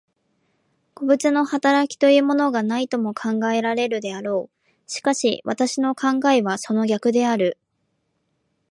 個物の働きというものがないとも考えられるであろう。しかし私の考えはその逆である。